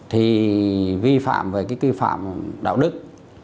thì vi phạm về cái cái phạm đạo đức